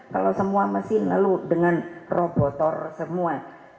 kalau semua mesin lalu dengan robotor semua